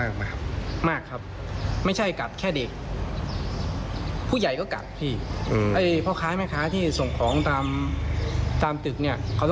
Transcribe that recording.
คนในชุมชนไปทั่วเลยค่ะ